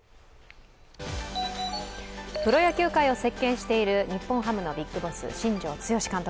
プロ野球界を席巻している日本ハムのビッグボス、新庄剛志監督。